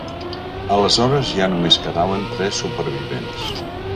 Aleshores ja només quedaven tres supervivents.